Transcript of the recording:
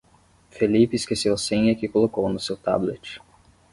Felipe esqueceu a senha que colocou no seu tablet.